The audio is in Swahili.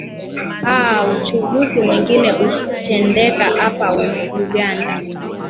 aa uchaguzi mwingine utendeka hapa uganda